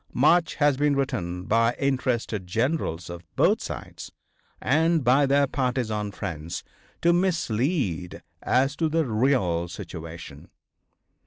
Much has been written by interested generals of both sides, and by their partisan friends, to mislead as to the real situation.